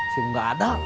sim nggak ada